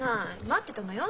待ってたのよ。